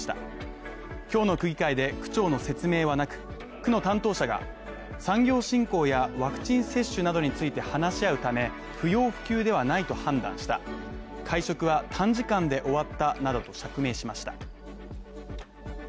区の担当者が、産業振興やワクチン接種などについて話し合うため不要不急ではないと判断した、会食は短時間で終わったなどと釈明しました。